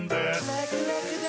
ラクラクだ！